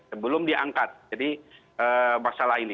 sebelum diangkat jadi masalah ini